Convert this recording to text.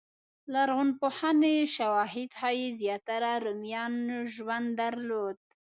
لرغونپوهنې شواهد ښيي زیاتره رومیانو ژوند درلود.